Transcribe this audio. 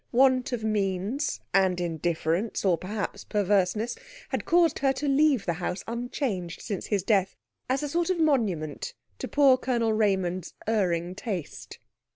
Want of means, and indifference, or perhaps perverseness, had caused her to leave the house unchanged since his death as a sort of monument to poor Colonel Raymond's erring taste.